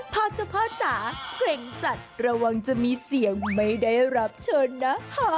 พ่อเจ้าพ่อจ๋าเกร็งจัดระวังจะมีเสียงไม่ได้รับเชิญนะ